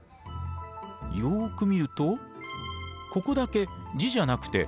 よく見るとここだけ字じゃなくて花の絵が。